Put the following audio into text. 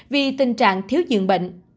vì tình trạng thiếu dường bệnh